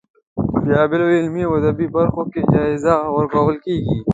په بېلا بېلو علمي او ادبي برخو کې جایزه ورکول کیږي.